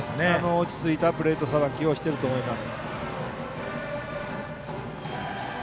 落ち着いたプレートさばきをしていると思います。